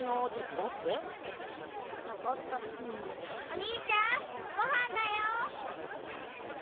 お兄ちゃんごはんだよ。